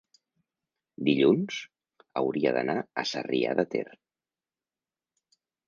dilluns hauria d'anar a Sarrià de Ter.